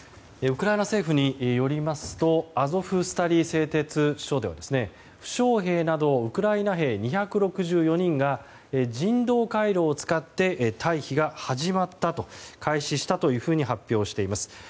ウクライナ政府によりますとアゾフスタリ製鉄所では負傷兵などをウクライナ兵２６４人が人道回廊を使って退避が開始したと発表しています。